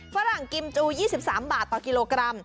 ฝรั่งกิมจู๒๓บาทต่อกิโลกรัม